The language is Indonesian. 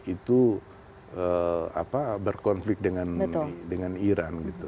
itu berkonflik dengan iran